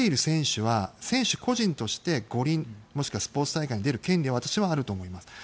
選手個人として五輪もしくはスポーツ大会に出る権利が私はあると思います。